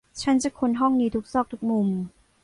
ฉันจะค้นห้องนี้ทุกซอกทุกมุม